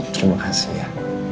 terima kasih ya